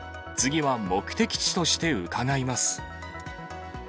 次は目的地として伺います！